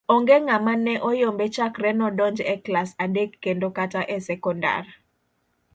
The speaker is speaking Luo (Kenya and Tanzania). Onge ng'ama ne oyombe chakre nodonj e klas adek kendo kata e sekondar.